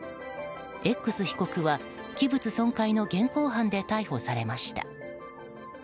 Ｘ被告は器物損壊の現行犯で逮捕されました。